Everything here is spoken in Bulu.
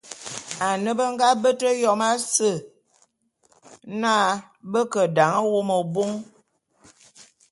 Ane be nga bete Yom ase na be ke dan wô mebôn.